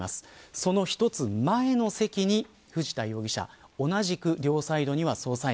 その１つ前の席に藤田容疑者同じく、両サイドには捜査員。